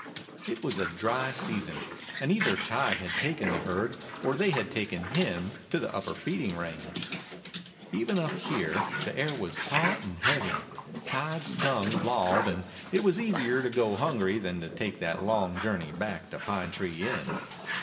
It was a dry season, and either Tige had taken the herd, or they had taken him, to the upper feeding range. Even up here the air was hot and heavy. Tige's tongue lolled, and it was easier to go 18 A DOG OF THE SIERRA NEVADAS hungry than to take that long journey back to Pine Tree Inn.